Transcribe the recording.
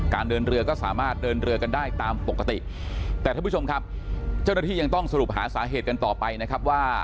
เดินเรือก็สามารถเดินเรือกันได้ตามปกติแต่ท่านผู้ชมครับเจ้าหน้าที่ยังต้องสรุปหาสาเหตุกันต่อไปนะครับว่า